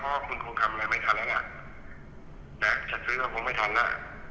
เพราะว่าคุณคงทำอะไรไม่ทันแล้วล่ะแต่ซื้อก็คงไม่ทันแล้ว